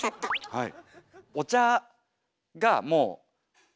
はい。